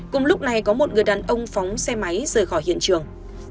cùng lúc này có một người đàn ông phóng xe máy rời khỏi hiện trường